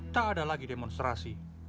tak ada lagi demonstrasi